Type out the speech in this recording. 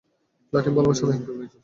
Flirting ভালোবাসা নয়।